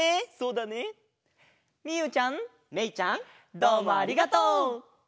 どうもありがとう！